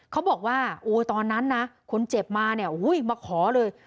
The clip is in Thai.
เขาบอกว่าตอนนั้นคนเจ็บมามาขอเลย